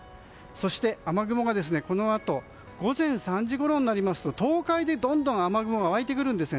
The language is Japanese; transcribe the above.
そして午前３時ごろになりますと東海でどんどん雨雲が湧いてくるんです。